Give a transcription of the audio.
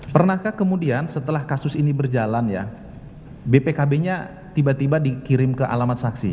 pernahkah kemudian setelah kasus ini berjalan ya bpkb nya tiba tiba dikirim ke alamat saksi